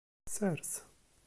Sers.